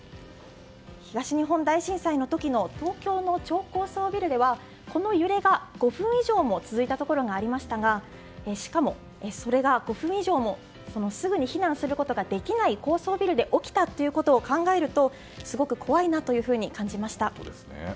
東日本大震災の時の東京の超高層ビルではこの揺れが５分以上も続いたところがありましたがしかもそれが５分以上もすぐに避難することができない高層ビルで起きたということを考えるとすごく怖いなと感じました。